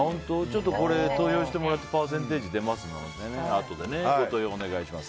これ投票してもらってパーセンテージがあとで出ますのでご投票お願いします。